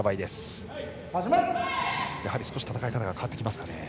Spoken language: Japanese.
やはり戦い方が少し変わってきますかね。